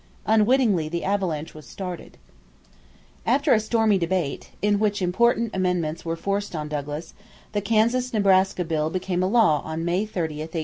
Unwittingly the avalanche was started. After a stormy debate, in which important amendments were forced on Douglas, the Kansas Nebraska Bill became a law on May 30, 1854.